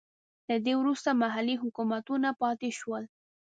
له دې وروسته محلي حکومتونه پاتې شول.